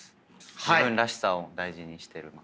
自分らしさを大事にしてます。